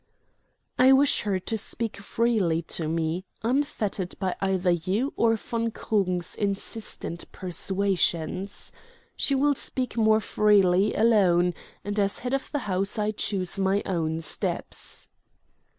"I wish her to speak freely to me, unfettered by either you or von Krugen's insistent persuasions. She will speak more freely alone, and, as head of the house, I choose my own steps."